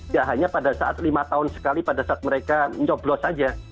ya hanya pada saat lima tahun sekali pada saat mereka mencoblos saja